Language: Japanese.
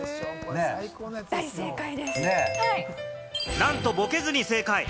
なんとボケずに正解！